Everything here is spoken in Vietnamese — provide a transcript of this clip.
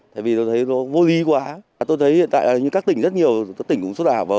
tại vì tôi thấy nó vô lý quá tôi thấy hiện tại các tỉnh rất nhiều các tỉnh cũng sốt ảo